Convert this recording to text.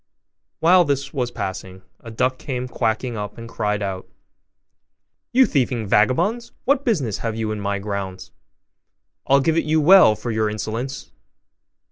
While this was passing, a duck came quacking up and cried out, 'You thieving vagabonds, what business have you in my grounds? I'll give it you well for your insolence!